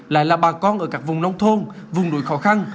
lại là bà con ở các vùng nông thôn vùng núi khó khăn